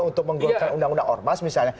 untuk menggolkan undang undang ormas misalnya